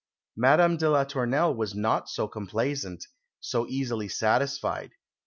Madame de la Tournelle was not so complaisant, so easily satisfied.